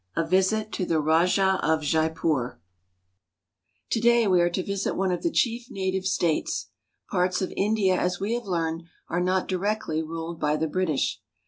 A VISIT TO THE RAJAH OF JAIPUR TO DAY we are to visit one of the chief native states. Parts of India, as we have learned, are not directly ruled by the British.